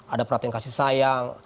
ada perhatian kasih sayang